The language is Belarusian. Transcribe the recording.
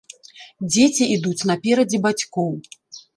Дзеці ідуць наперадзе бацькоў.